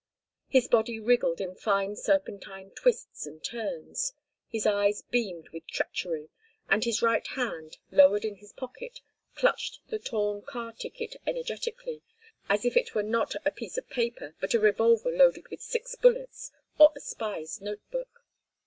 His body wriggled in fine serpentine twists and turns, his eyes beamed with treachery, and his right hand, lowered in his pocket, clutched the torn car ticket energetically, as if it were not a piece of paper, but a revolver loaded with six bullets, or a spy's notebook.